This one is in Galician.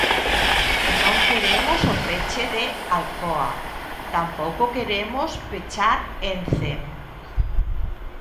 Non queremos o peche de Alcoa, tampouco queremos pechar Ence.